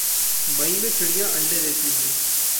मई में चिड़ियाँ अंडे देतीं हैं।